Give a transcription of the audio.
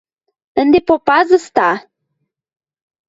– Ӹнде попазыста!